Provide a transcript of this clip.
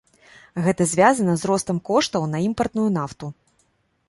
Гэта звязана з ростам коштаў на імпартную нафту.